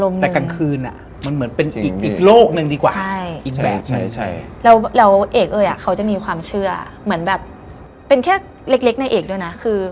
ไม่มีแบบนั้น